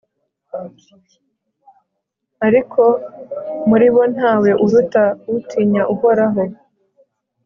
ariko muri bo nta we uruta utinya uhoraho